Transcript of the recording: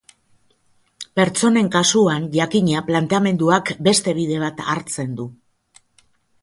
Pertsonen kasuan, jakina, planteamenduak beste bide bat hartzen du.